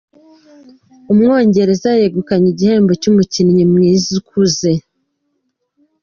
Umwongereza yegukanye igihembo cy’umukinnyi mwiza ukuze